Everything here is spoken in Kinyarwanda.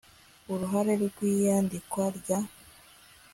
uruhare rw iyandikwa rya